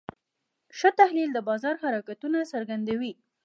ښه تحلیل د بازار حرکتونه څرګندوي.